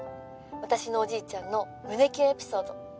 私のおじいちゃんの胸キュンエピソード。